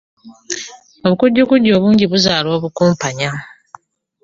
Obukujjukujju obungi buzaala obukumpanya.